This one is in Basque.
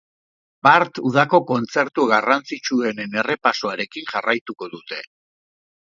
Bart udako kontzertu garrantzitsuenen errepasoarekin jarraituko dute.